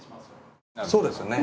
そうですね。